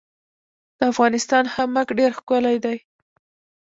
د افغانستان خامک ډیر ښکلی دی